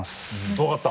分かった？